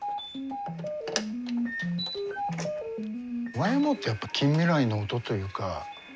ＹＭＯってやっぱ近未来の音というか。